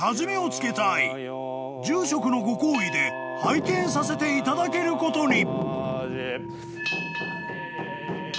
［住職のご厚意で拝見させていただけることに］